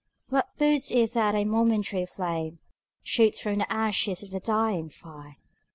What boots it that a momentary flame Shoots from the ashes of a dying fire?